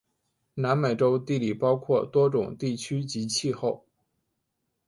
南美洲地理包括多种地区及气候。